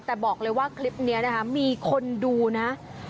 แต่บอกเลยว่าคลิปนี้นะคะมีคนดูนะ